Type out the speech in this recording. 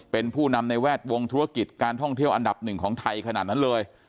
เป็นผู้นำในแวดวงธุรกิจการท่องเที่ยวอันดับหนึ่งของไทยขนาดนั้นเลย